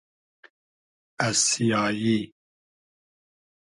از سیایی